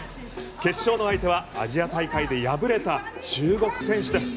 決勝の相手はアジア大会で敗れた中国選手です。